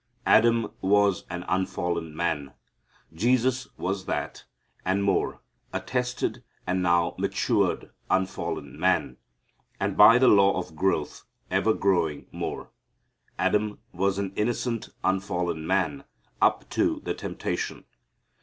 Adam was an unfallen man. Jesus was that and more, a tested and now matured unfallen man, and by the law of growth ever growing more. Adam was an innocent, unfallen man up to the temptation.